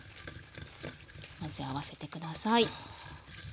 混ぜ合わせて下さい。